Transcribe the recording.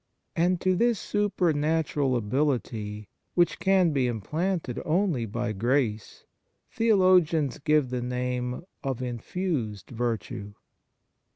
And to this supernatural ability, which can be implanted only by grace, theo logians give the name of infused virtue.